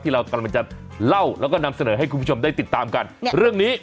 เรากำลังจะเล่าแล้วก็นำเสนอให้คุณผู้ชมได้ติดตามกันเรื่องนี้